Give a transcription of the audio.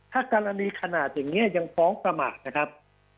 ถ้ากรณีขนาดอย่างนี้ยังฟ้องประมาทนะครับ